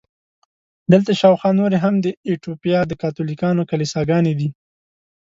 دلته شاوخوا نورې هم د ایټوپیا د کاتولیکانو کلیساګانې دي.